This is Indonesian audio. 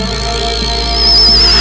aku akan membuatnya sebaiknya